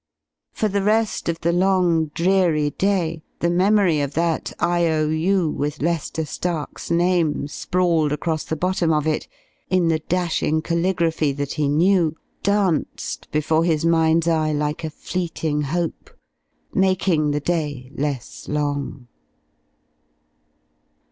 For the rest of the long, dreary day the memory of that I.O.U. with Lester Stark's name sprawled across the bottom of it, in the dashing caligraphy that he knew, danced before his mind's eye like a fleeting hope, making the day less long.